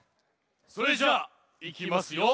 それじゃあいきますよ。